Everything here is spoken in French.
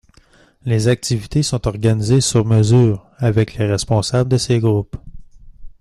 Les activités sont organisées sur mesure avec les responsables de ces groupes.